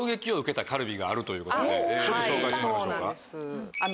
があるということでちょっと紹介してもらいましょうか。